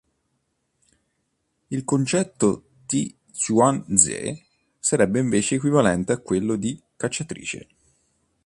Il concetto di "Te Xuan Ze" sarebbe invece equivalente a quello di "cacciatrice".